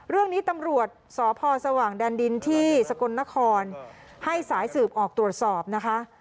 เรื่องนี้ตำรวจสพสว่างแดนดินที่สกลนครให้สายสืบออกตรวจสอบนะคะ